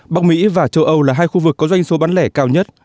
bắc mỹ và châu âu là hai khu vực có doanh số bán lẻ cao nhất